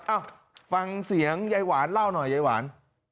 เอ้าฟังเสียงยายหวานเล่าหน่อยยายหวาน